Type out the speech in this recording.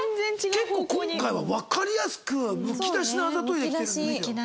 結構今回はわかりやすくむき出しのあざといで来てるんですよ。